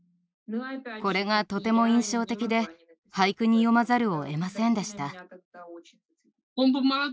これがとても印象的で俳句に詠まざるをえませんでした。